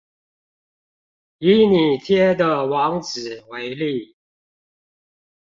以你貼的網址為例